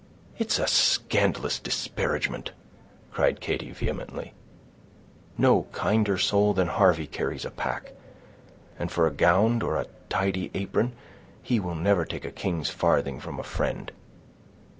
"It's a scandalous disparagement" cried Katy, vehemently, "no kinder soul than Harvey carries a pack; and for a gownd or a tidy apron, he will never take a king's farthing from a friend.